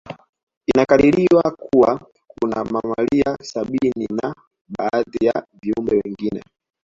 Inakadiriwa Kuwa kuna mamalia sabini na baadhi ya viumbe wengine